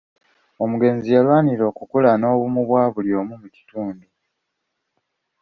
Omugenzi yalwanirira okukula n'obumu bwa buli omu mu kitundu.